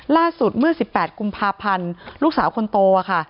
ล่าสุดเมื่อสิบแปดกุมภาพันธ์ลูกสาวคนโตอ่ะค่ะ